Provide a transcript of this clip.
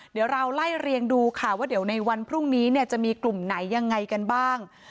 เดี๋ยวเราไล่เรียงดูค่ะว่าเดี๋ยวในวันพรุ่งนี้เนี่ยจะมีกลุ่มไหนยังไงกันบ้าง